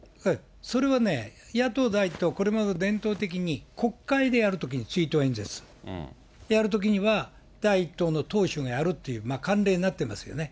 それはね、野党第１党はこれまで伝統的に国会でやるときに追悼演説、やるときには、第１党の党首がやるっていう慣例になってるんですけどね。